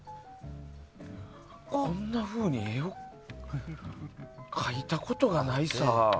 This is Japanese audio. こんなふうに絵を描いたことがない。